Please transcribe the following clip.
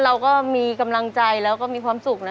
เราก็มีกำลังใจแล้วก็มีความสุขนะ